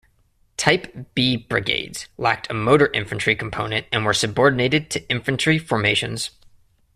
"Type B" brigades lacked a motor infantry component and were subordinated to infantry formations.